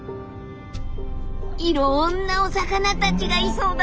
いろんなお魚たちがいそうだね。